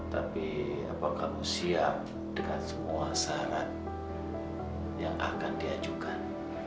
tapi apa kamu siap dengan semua syarat yang akan diajukan